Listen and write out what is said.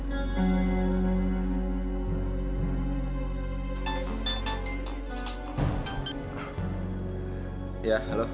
lalu dia kembali ke rumah